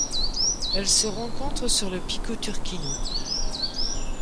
Elle se rencontre sur le pico Turquino.